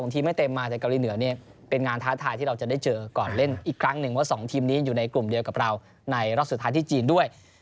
ทีมไม่เต็มมาจากเกาหลีเหนือเนี่ยเป็นงานท้าทายที่เราจะได้เจอก่อนเล่นอีกครั้งหนึ่งว่า๒ทีมนี้อยู่ในกลุ่มเดียวกับเราในรอบสุดท้ายที่จีนด้วย